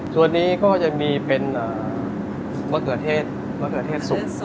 ตัวนี้ก็จะมีเป็นมะเขือเทศสุก